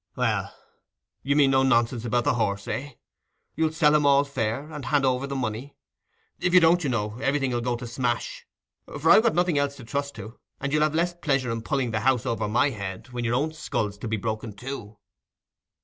"Well, you mean no nonsense about the horse, eh? You'll sell him all fair, and hand over the money? If you don't, you know, everything 'ull go to smash, for I've got nothing else to trust to. And you'll have less pleasure in pulling the house over my head, when your own skull's to be broken too."